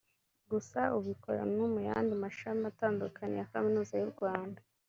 Gusa ubu ikorera no mu yandi mashami atandukanye ya Kaminuza y’u Rwanda